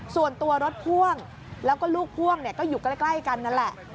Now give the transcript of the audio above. ส่วนตัวรถพ่วงแล้วก็ลูกพ่วงก็อยู่ใกล้กันนั่นแหละ